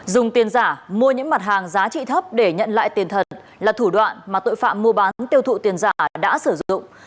dùng tiền giả mua những mặt hàng giá trị thấp để nhận lại tiền thật là thủ đoạn mà tội phạm mua bán tiêu thụ tiền giả đã sử dụng